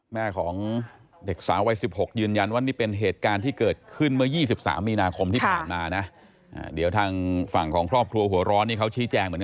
แม่ของเด็กสาววัย๑๖ยืนยันว่านี้เป็นเหตุการณ์ที่เกิดขึ้นเมื่อ๒๓นาคม